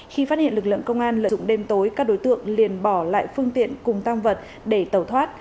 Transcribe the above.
khi phát hiện lực lượng công an lợi dụng đêm tối các đối tượng liền bỏ lại phương tiện cùng tăng vật để tẩu thoát